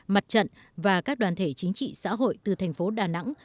mặt trận và các đoàn thể chính trị xã hội từ thành phố đà nẵng